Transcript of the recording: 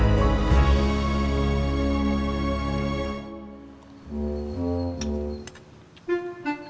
nanti kita bawain